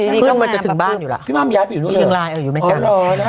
พี่ม่ำยับอยู่นู้นเหรอ